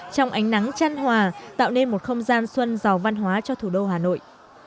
trong ánh nắng chăn hòa tạo nên một không gian xuân giàu văn hóa cho thủ đô hà nội